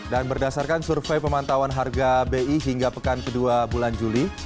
dan berdasarkan survei pemantauan harga bi hingga pekan kedua bulan juli